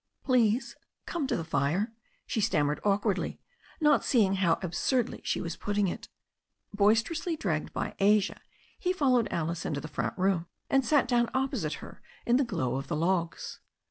"Please come to the fire," she stammered awkwardly, not seeing how absurdly she was putting it. Boisterously dragged by Asia, he followed Alice into the front room, and sat down opposite her in the glow of the logs.